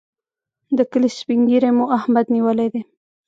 د کلي سپين ږيری مو احمد نیولی دی.